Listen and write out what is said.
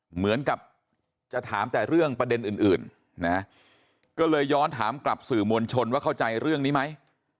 เหมือนกับจะถามแต่เรื่องประเด็นอื่นนะก็เลยย้อนถามกลับสื่อมวลชนว่าเข้าใจเรื่องนี้ไหม